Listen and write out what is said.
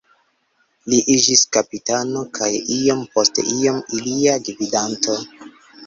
Li iĝis kapitano kaj iom post iom ilia gvidanto.